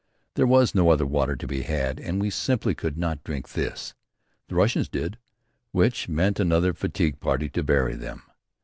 There was no other water to be had and we simply could not drink this. The Russians did, which meant another fatigue party to bury them.